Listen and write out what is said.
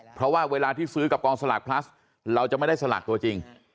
เพราะว่าเวลาที่ซื้อกับกองสลากพลัสเราจะไม่ได้สลากตัวจริง